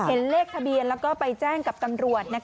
เห็นเลขทะเบียนแล้วก็ไปแจ้งกับตำรวจ